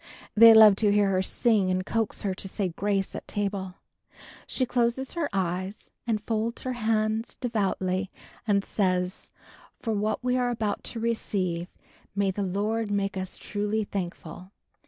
They love to hear her sing and coax her to say "Grace" at table. She closes her eyes and folds her hands devoutly and says, "For what we are about to receive, may the Lord make us truly thankful."